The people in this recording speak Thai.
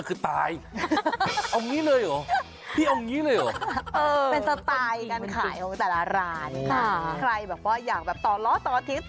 คือถามนะบอกว่าปิดวันไหนบ้างครับพี่